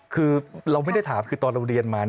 คือเราไม่ได้ถามคือตอนเราเรียนมา